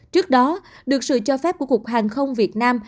trước đó được sự cho phép của cục hàng không việt nam